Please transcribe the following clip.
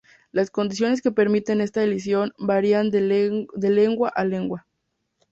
Las condiciones que permiten esta elisión varían de lengua a lengua.